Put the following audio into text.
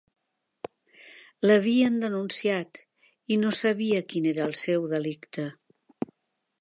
L'havien denunciat i no sabia quin era el seu delicte.